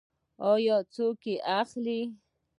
آیا څوک یې اخلي؟